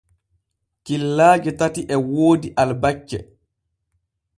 Killaaje tati e woodi albacce.